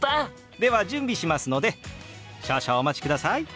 では準備しますので少々お待ちください。